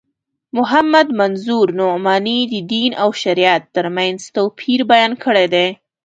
محمد منظور نعماني د دین او شریعت تر منځ توپیر بیان کړی دی.